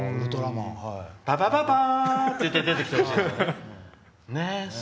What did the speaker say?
「パパパパーン」って言って出てきてほしいよね。